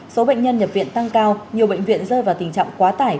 số bệnh nhân nhập viện tăng cao nhiều bệnh viện rơi vào tình trạng quá tải